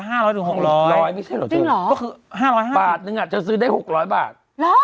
บาทนึงอะจะซื้อได้๖๐๐บาท